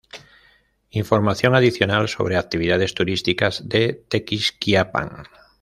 Información adicional sobre actividades turísticas de Tequisquiapan.